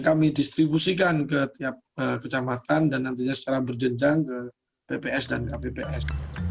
kami distribusikan ke tiap kecamatan dan nantinya secara berjenjang ke tps dan kpps